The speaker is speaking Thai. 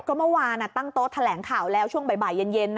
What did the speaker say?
ก็เมื่อวานตั้งโต๊ะแถลงข่าวแล้วช่วงบ่ายเย็น